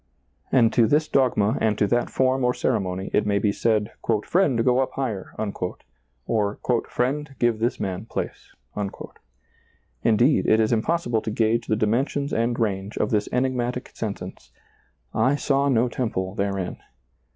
And to this dogma and to that form or ceremony it may be said, " Friend, go up higher," or " Friend, give this man place." Indeed, it is impossible to gauge the dimensions and range of this enigmatic sentence, " I saw no temple therein."